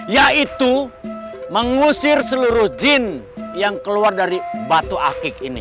yaitu mengusir seluruh jin yang keluar dari batu akik ini